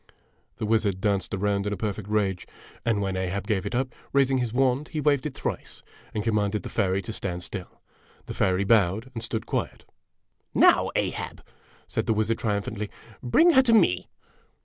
The wizard danced around in a perfect rage ; and when Ahab gave it up, raising his wand he waved it thrice, and commanded the fairy to stand still. The fairy bowed, and stood quiet. " Now, Ahab," said the wizard, triumphantly " bring her to me